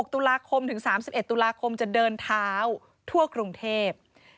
ตุลาคมถึง๓๑ตุลาคมจะเดินเท้าทั่วกรุงเทพ